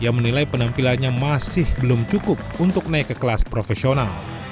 ia menilai penampilannya masih belum cukup untuk naik ke kelas profesional